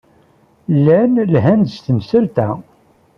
Llan lhan-d s temsalt-a.